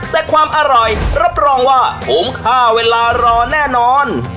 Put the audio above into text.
แต่ความอร่อยรับรองว่าคุ้มค่าเวลารอแน่นอน